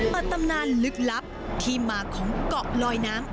ตำนานลึกลับที่มาของเกาะลอยน้ำ